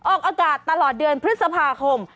ออกอากาศตลอดเดือนพฤษภาคม